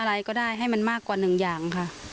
อะไรก็ได้ให้มันมากกว่าหนึ่งอย่างค่ะ